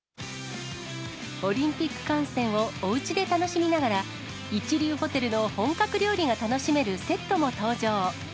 オリンピック観戦をおうちで楽しみながら、一流ホテルの本格料理が楽しめるセットも登場。